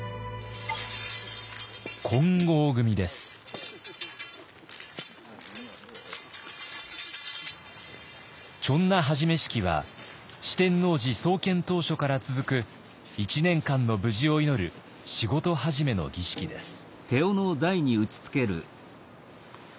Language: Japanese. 手斧始め式は四天王寺創建当初から続く１年間の無事を祈る仕事始めの儀式です。